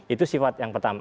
itu sifat yang pertama